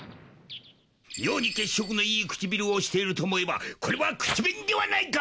妙に血色のいい唇をしていると思えばこれは口紅ではないか！